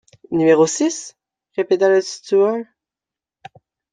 Numéro six? répéta le stewart.